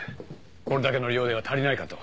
これだけの量では足りないかと。